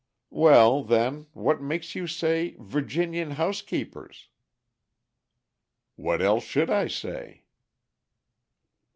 "Well, then, what makes you say 'Virginian housekeepers?'" "What else should I say?"